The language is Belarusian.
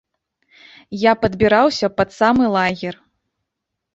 Я падбіраўся пад самы лагер.